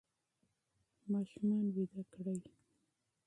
ماشومان ویده کړئ.